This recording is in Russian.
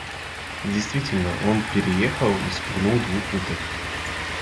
И действительно, он переехал и вспугнул двух уток.